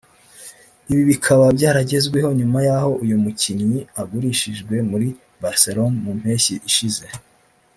ibi bikaba byaragezweho nyuma y'aho uyu mukinnyi agurishirijwe muri Barcelona mu mpeshyi ishize